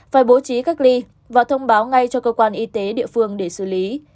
phải bố trí cách ly và thông báo ngay cho cơ quan y tế địa phương để xử lý